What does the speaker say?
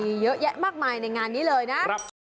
มีเยอะแยะมากมายในงานนี้เลยนะ